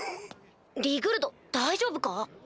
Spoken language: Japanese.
リグルド大丈夫か？